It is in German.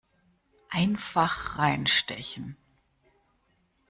Einfach reinstechen!